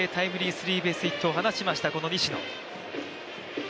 スリーベースヒットを放ちました、この西野。